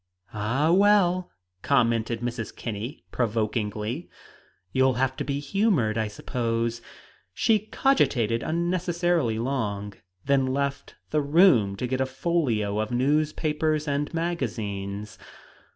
"Ah, well," commented Mrs. Kinney provokingly, "you'll have to be humored, I suppose." She cogitated unnecessarily long, then left the room to get a folio of newspapers and magazines.